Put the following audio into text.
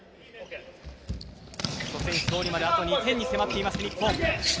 初戦勝利まであと２点に迫っています、日本。